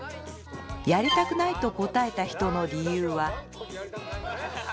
やりたくないと答えた人の理由は。